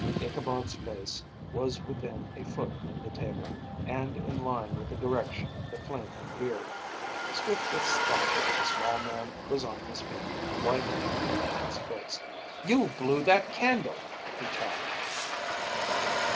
Ichabod's face was within a foot of the table, and in line with the direction the flame had veered. Swift as thought the small man was on his feet, white anger in his face. "You blew that candle!" he challenged.